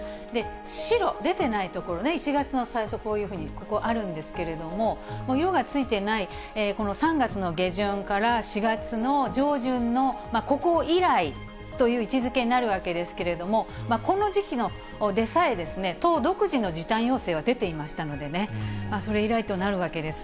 白、出てないところね、１月の最初、こういうふうに、ここ、あるんですけれども、色がついていない３月の下旬から４月の上旬のここ以来という位置づけになるわけですけれども、この時期でさえ、都独自の時短要請は出ていましたのでね、それ以来となるわけです。